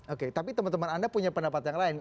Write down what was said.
oke tapi teman teman anda punya pendapat yang lain